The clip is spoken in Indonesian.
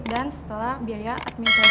dan setelah biaya administrasinya